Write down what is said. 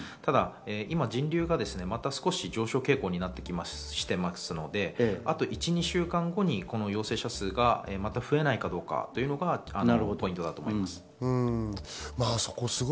今、人流が少し上昇傾向になっていますので、あと１２週間後に陽性者数がまた増えないかどうかというのがポイントだと思います。